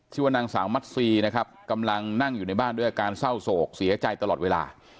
ชื่อว่านางสาวมัดซีนะครับกำลังนั่งอยู่ในบ้านด้วยอาการเศร้าโศกเสียใจตลอดเวลา